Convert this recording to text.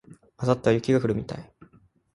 明後日は雪が降るみたい